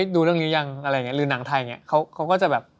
ดูเรื่องนี้ยังอะไรอย่างนี้หรือนางไทยอย่างนี้เขาก็จะแบบ